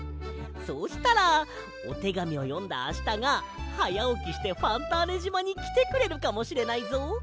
そうしたらおてがみをよんだあしたがはやおきしてファンターネじまにきてくれるかもしれないぞ。